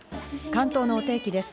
関東のお天気です。